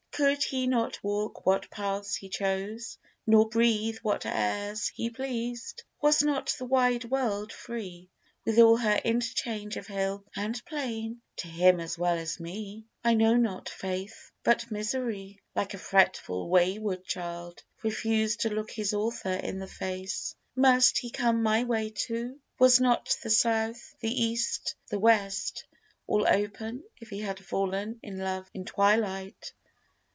Could he not walk what paths he chose, nor breathe What airs he pleased! Was not the wide world free, With all her interchange of hill and plain To him as well as me? I know not, faith: But Misery, like a fretful, wayward child, Refused to look his author in the face, Must he come my way too? Was not the South, The East, the West, all open, if he had fall'n In love in twilight?